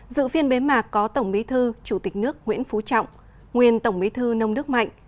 dự phiên bế mạc có tổng bí thư chủ tịch nước nguyễn phú trọng nguyên tổng bí thư nông đức mạnh